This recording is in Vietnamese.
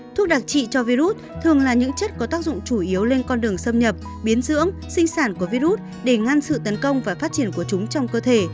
thuốc đặc trị cho virus thường là những chất có tác dụng chủ yếu lên con đường xâm nhập biến dưỡng sinh sản của virus để ngăn sự tấn công và phát triển của chúng trong cơ thể